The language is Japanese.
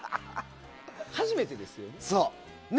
初めてですよね？